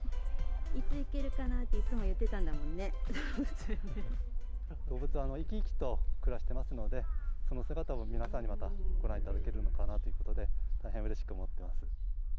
いつ行けるかなっていつも言動物、生き生きと暮らしてますので、その姿を皆さんにまたご覧いただけるのかなということで、大変うれしく思ってます。